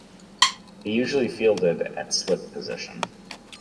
He usually fielded at slip position.